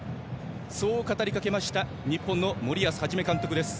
そう語りかけました日本の森保一監督です。